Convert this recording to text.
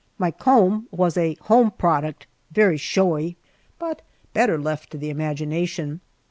My comb was a home product, very showy, but better left to the imagination.